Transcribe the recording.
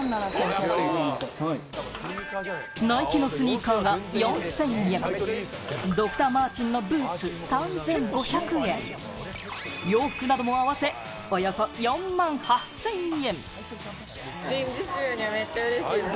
ナイキのスニーカーが４０００円、ドクターマーチンのブーツ３５００円、洋服なども合わせ、およそ４万８０００円。